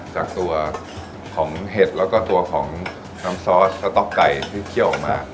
จากตัวของเห็ดแล้วก็ตัวของน้ำซอสสต๊อกไก่ที่เคี่ยวออกมา